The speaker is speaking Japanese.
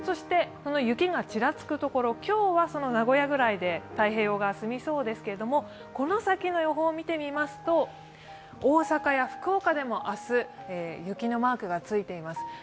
この雪がちらつくところ、今日は名古屋くらいで太平洋側は済みそうですけれども、この先の予報を見てみますと大阪や福岡でも明日、雪のマークがついています。